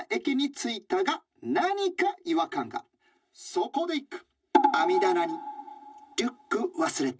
そこで一句。